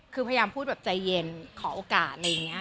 คือพยายามพูดใจเย็นขอโอกาส